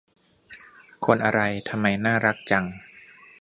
คนอะไรทำไมน่ารักจัง